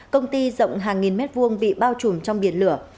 công ty rộng hàng nghìn mét vuông bị bao trùm trong biển lửa